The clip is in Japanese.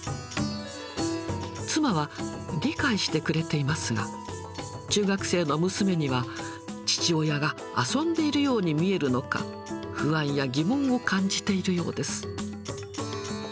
妻は理解してくれていますが、中学生の娘には、父親が遊んでいるように見えるのか、不安や疑問を感じているようです。